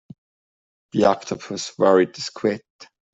The octopus worried the squid.